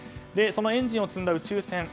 そのエンジンを積んだ宇宙船